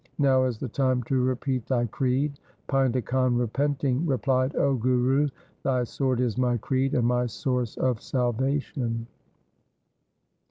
Now is the time to repeat thy creed.' Painda Khan, repenting, replied, ' O Guru, thy sword is my creed and my source of salvation.'